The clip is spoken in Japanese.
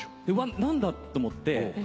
何だ？と思って。